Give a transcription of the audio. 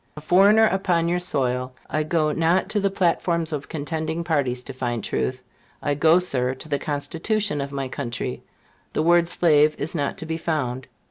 A foreigner upon your soil, I go not to the platforms of contending parties to find truth. I go, Sir, to the Constitution of my country: the word slave is not to be found.